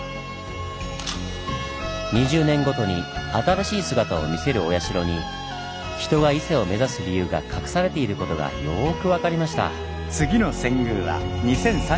２０年ごとに新しい姿を見せるお社に人が伊勢を目指す理由が隠されていることがよく分かりました。